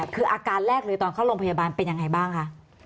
คืออาการแรกเลยตอนเข้าโรงพยาบาลเป็นยังไงบ้างคะ